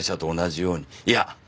いや！